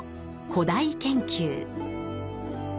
「古代研究」。